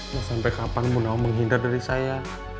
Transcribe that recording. mas sampai kapan bu nawang menghindar dari saya